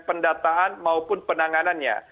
pendataan maupun penanganannya